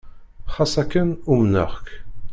Xas akken, umneɣ-k.